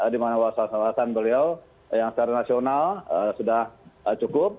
dimana wawasan wawasan beliau yang secara nasional sudah cukup